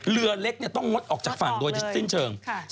เรือเล็กต้องงดออกจากฝั่งโดยสิ้นเชิง